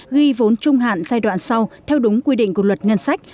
ghi vốn trung hạn giai đoạn sau theo đúng quy định của luật ngân sách